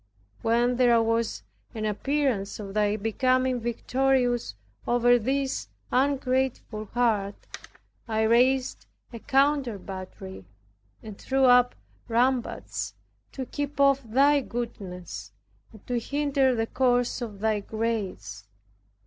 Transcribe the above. When there was an appearance of Thy becoming victorious over this ungrateful heart, I raised a counter battery, and threw up ramparts to keep off thy goodness, and to hinder the course of thy grace.